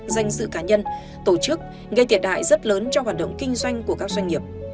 danh dự cá nhân tổ chức gây thiệt hại rất lớn cho hoạt động kinh doanh của các doanh nghiệp